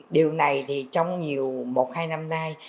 điều này trong một hai năm nay